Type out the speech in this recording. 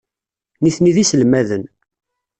Nitni d iselmaden.